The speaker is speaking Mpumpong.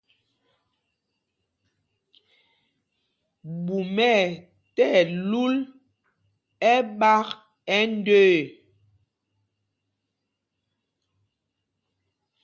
Ɓûm ɛ tí ɛlúl ɛ́ɓāk ɛ ndəə.